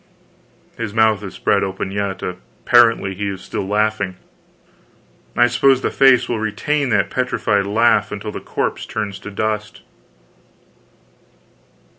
His mouth is spread open yet; apparently he is still laughing. I suppose the face will retain that petrified laugh until the corpse turns to dust.